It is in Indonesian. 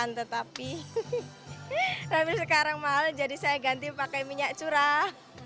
tetapi sampai sekarang mahal jadi saya ganti pakai minyak curah